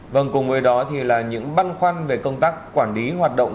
vâng cùng với đó thì là những băn khoăn về công tác quản lý hoạt động